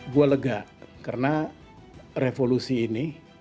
gue lega karena revolusi ini